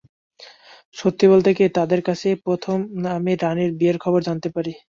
সত্যি বলতে কী, তাঁদের কাছেই প্রথম আমি রানীর বিয়ের খবর জানতে পারি।